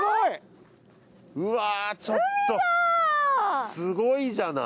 うわぁちょっとすごいじゃない。